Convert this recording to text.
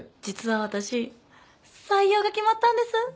実は私採用が決まったんです